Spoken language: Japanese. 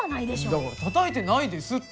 だからたたいてないですって！